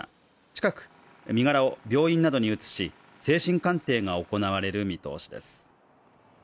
近く、身柄を病院などに移し、精神鑑定が行われる見通しです。